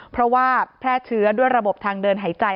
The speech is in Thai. เพราะว่าแพร่เชื้อด้วยระบบทางเดินหายใจ